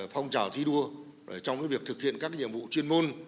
phong trào thi đua trong việc thực hiện các nhiệm vụ chuyên môn